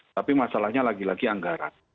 tapi masalahnya lagi lagi anggaran